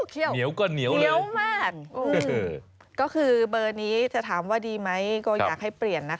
เหนียวก็เหนียวมากก็คือเบอร์นี้จะถามว่าดีไหมก็อยากให้เปลี่ยนนะคะ